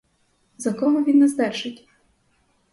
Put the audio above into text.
За кого він нас держить?